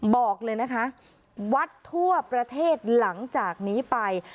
บอกเลยนะคะวัดทั่วประเทศหลังจากนี้ไป